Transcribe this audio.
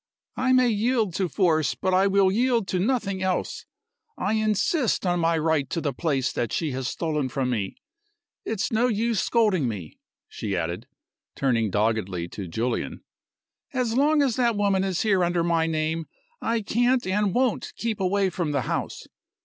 "I may yield to force, but I will yield to nothing else. I insist on my right to the place that she has stolen from me. It's no use scolding me," she added, turning doggedly to Julian. "As long as that woman is here under my name I can't and won't keep away from the house.